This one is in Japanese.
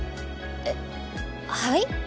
えっはい？